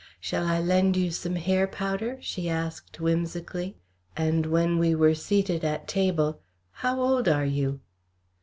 "Shall I lend you some hair powder?" she asked, whimsically; and when we were seated at table, "How old are you?"